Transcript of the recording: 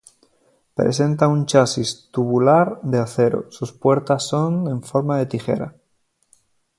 Presenta un chasis tubular de acero, sus puertas son en forma de tijera.